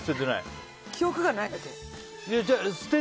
記憶がないだけ？